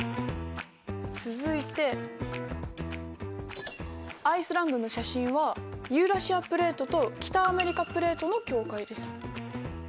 続いてアイスランドの写真はユーラシアプレートと北アメリカプレートの境界です。